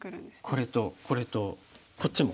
これとこれとこっちも？